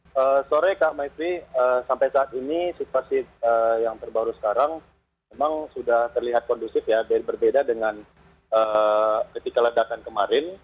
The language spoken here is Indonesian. selamat sore kak maifri sampai saat ini situasi yang terbaru sekarang memang sudah terlihat kondusif ya berbeda dengan ketika ledakan kemarin